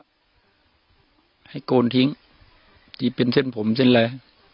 ก็ให้โกนทิ้งสิ่งเป็นเส้นผมเส้นแล